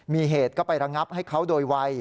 มีเหตุก็ไประงับให้เขาโดยไว